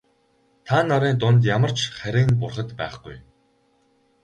Та нарын дунд ямар ч харийн бурхад байхгүй.